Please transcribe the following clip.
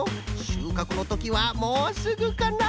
しゅうかくのときはもうすぐかな！